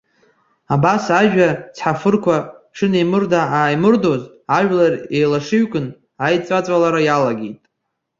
Абас ажәа цҳафырқәа шынеимырда-ааимырдоз, ажәлар еилашыҩкын, аидҵәаҵәалара иалагеит.